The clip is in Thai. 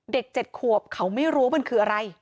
เด็ก๗ขวบเขาไม่รู้มันคืออะไร